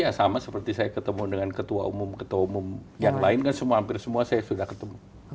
ya sama seperti saya ketemu dengan ketua umum ketua umum yang lain kan hampir semua saya sudah ketemu